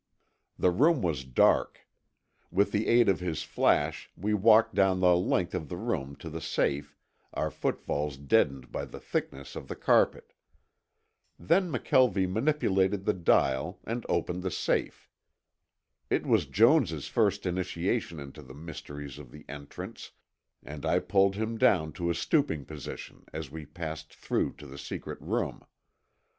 The room was dark. With the aid of his flash we walked down the length of the room to the safe, our footfalls deadened by the thickness of the carpet. Then McKelvie manipulated the dial and opened the safe. It was Jones' first initiation into the mysteries of the entrance, and I pulled him down to a stooping position as we passed through to the secret room.